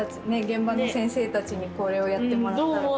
現場の先生たちにこれをやってもらったら。